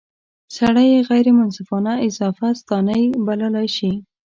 سړی یې غیر منصفانه اضافه ستانۍ بللای شي.